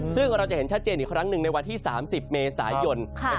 ซึ่งเราจะเห็นชัดเจนอีกครั้งหนึ่งในวันที่๓๐เมษายน